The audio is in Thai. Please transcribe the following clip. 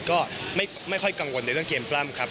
ก็ไม่ค่อยกังวลในเรื่องเกมปล้ำครับ